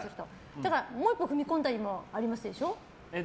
だからもう一歩踏み込んだりもありますでしょ？